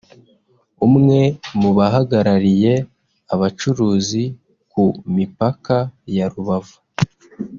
umwe mu bahagarariye abacuruzi ku mipaka ya Rubavu